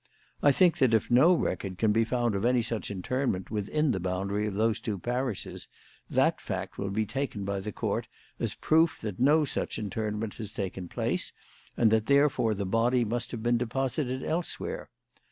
I think that if no record can be found of any such interment within the boundary of those two parishes, that fact will be taken by the Court as proof that no such interment has taken place, and that therefore the body must have been deposited elsewhere.